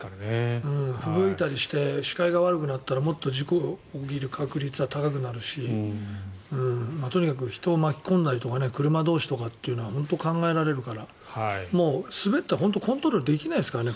ふぶいたりして視界が悪くなったらもっと事故が起きる確率は高くなるしとにかく人を巻き込んだりとか車同士というのは本当に考えられるから車は、滑って、コントロールができないですからね。